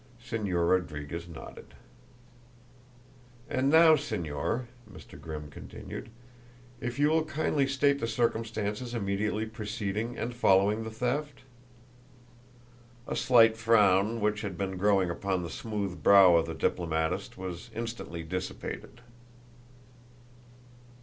Señor Rodriguez nodded. "And now, Señor," Mr. Grimm continued, "if you will kindly state the circumstances immediately preceding and following the theft?" A slight frown which had been growing upon the smooth brow of the diplomatist was instantly dissipated.